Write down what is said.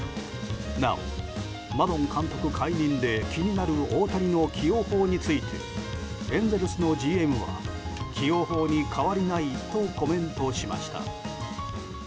なお、マドン監督解任で気になる大谷の起用法についてエンゼルスのＧＭは起用法に変わりないとコメントしました。